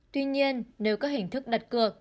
tuy nhiên nếu các hình thức đặt cược